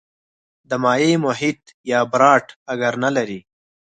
د مایع محیط یا براټ اګر نه لري.